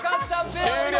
終了！